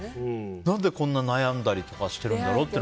何でこんなに悩んだりしてるんだろうって。